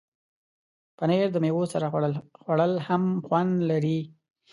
پنېر د میوو سره خوړل هم خوند لري.